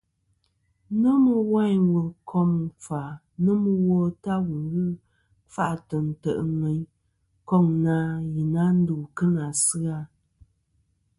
Nomɨ wayn wùl kom ɨkfà nomɨ wo ta wù ghɨ kfa'tɨ ntè' ŋweyn, koŋ na i na ndu kɨ nà asɨ-a.